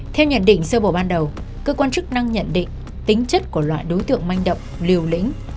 theo nhận định sơ bộ ban đầu cơ quan chức năng nhận định tính chất của loại đối tượng manh động liều lĩnh